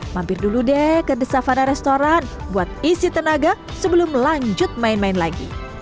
mampir dulu deh ke the savana restoran buat isi tenaga sebelum lanjut main main lagi